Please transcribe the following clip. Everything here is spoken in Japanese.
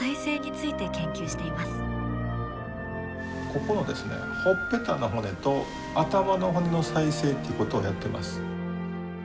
ここのほっぺたの骨と頭の骨の再生ってことをやっています。